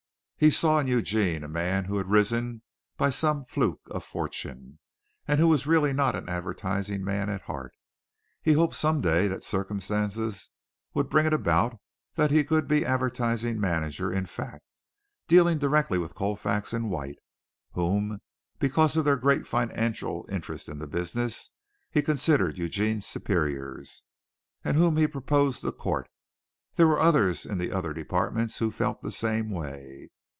He saw in Eugene a man who had risen by some fluke of fortune, and who was really not an advertising man at heart. He hoped some day that circumstances would bring it about that he could be advertising manager in fact, dealing directly with Colfax and White, whom, because of their greater financial interest in the business, he considered Eugene's superiors, and whom he proposed to court. There were others in the other departments who felt the same way.